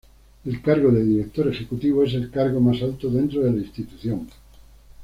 El cargo de Director Ejecutivo es el cargo más alto dentro de la institución.